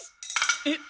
えっ？